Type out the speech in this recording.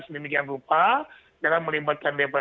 sedemikian rupa dalam melibatkan dpr